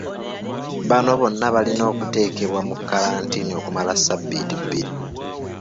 Bano bonna balina okuteekebwa mu kalantiini okumala sabbiiti bbiri.